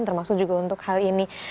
termasuk juga untuk hal ini